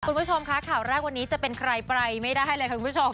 คุณผู้ชมคะข่าวแรกวันนี้จะเป็นใครไปไม่ได้เลยค่ะคุณผู้ชม